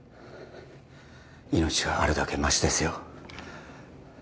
命があるだけマシですよ